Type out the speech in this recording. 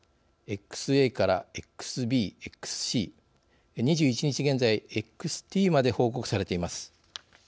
ＸＡからＸＢ、ＸＣ２１日現在ＸＴまで報告されています。